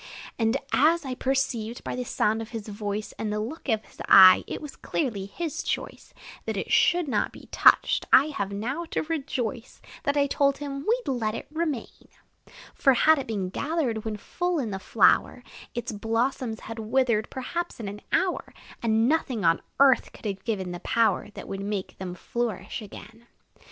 And as I perceived, by the sound of his voice, And the look of his eye, it was clearly his choice That it should not be touched, I have now to rejoice That I told him we 'd let it remain; For, had it been gathered when full in the flower, Its blossoms had withered, perhaps, in an hour, And nothing on earth could have given the power That would make them flourish again.